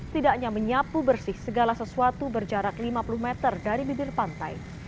tidaknya menyapu bersih segala sesuatu berjarak lima puluh meter dari bibir pantai